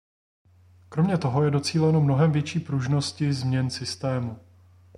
Kromě toho je docíleno mnohem větší pružnosti změn systému.